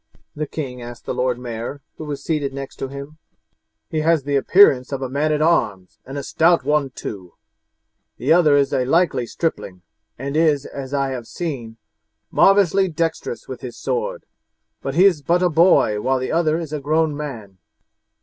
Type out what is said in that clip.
the king asked the Lord Mayor, who was seated next to him; "he has the appearance of a man at arms, and a stout one too; the other is a likely stripling, and is, as I have seen, marvellously dexterous with his sword, but he is but a boy while the other is a grown man.